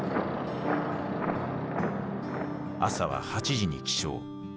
朝は８時に起床。